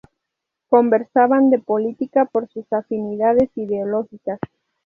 Conversaban de política por sus afinidades ideológicas.